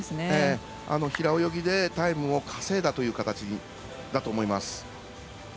平泳ぎでタイムを稼いだという形だと思います。